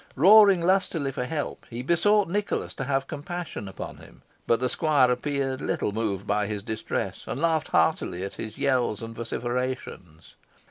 Roaring lustily for help, he besought Nicholas to have compassion upon him; but the squire appeared little moved by his distress, and laughed heartily at his yells and vociferations.